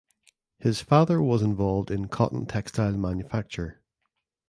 His father was involved in cotton textile manufacture.